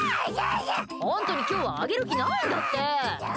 本当に今日はあげる気ないんだって！